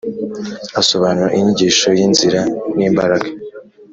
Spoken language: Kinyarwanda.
asobanura inyigisho y’inzira n’imbaraga